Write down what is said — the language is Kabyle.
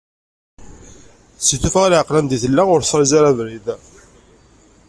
Seg tufɣa n laɛqel i deg i tella, ur tefriẓ ara abrid.